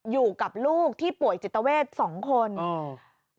อยู่กับลูกที่ป่วยจิตเวทสองคนอืม